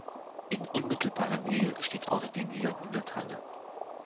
In unmittelbarer Nähe steht außerdem die Jahrhunderthalle.